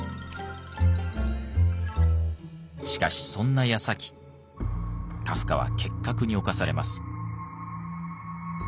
しかしそんなやさきカフカは結核に侵されます。